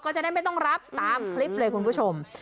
ก็จะได้ไม่ต้องรับตามคลิปเลยคุณผู้ชม